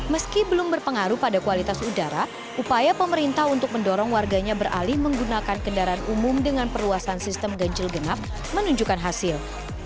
meski belum berpengaruh pada kualitas udara upaya pemerintah untuk mendorong warganya beralih menggunakan kendaraan umum dengan perluasan sistem ganjil genap menunjukkan hasil